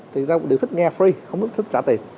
thì ta đều thích nghe free không thích trả tiền